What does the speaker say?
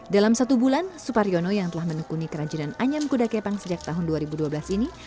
dalam satu bulan supar yono yang telah menekuni kerajinan anyam kuda kepang sejak tahun dua ribu dua belas ini